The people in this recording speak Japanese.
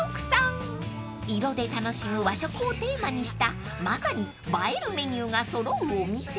［色で楽しむ和食をテーマにしたまさに映えるメニューが揃うお店］